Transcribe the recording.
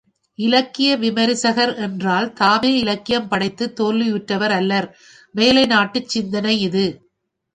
இலக்கிய விமரிசகர் என்றால், தாமே இலக்கியம் படைத்துத் தோல்வியுற்றவர் அல்லர்! மேலைநாட்டுச் சிந்தனே இது.